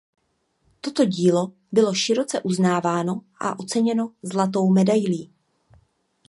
Toto dílo bylo široce uznáváno a oceněno Zlatou medailí.